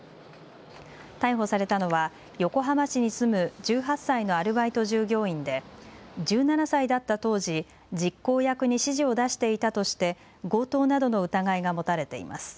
逮捕されたのは横浜市に住む１８歳のアルバイト従業員で１７歳だった当時実行役に指示を出していたとして強盗などの疑いが持たれています。